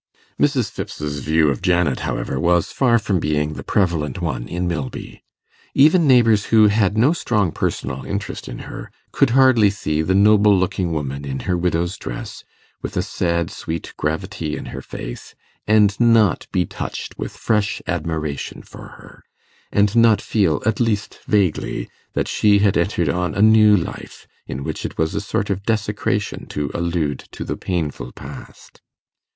Mrs. Phipps's view of Janet, however, was far from being the prevalent one in Milby. Even neighbours who had no strong personal interest in her, could hardly see the noble looking woman in her widow's dress, with a sad sweet gravity in her face, and not be touched with fresh admiration for her and not feel, at least vaguely, that she had entered on a new life in which it was a sort of desecration to allude to the painful past.